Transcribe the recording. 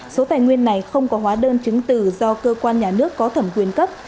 số tài nguyên này không có hóa đơn chứng từ do cơ quan nhà nước có thẩm quyền cấp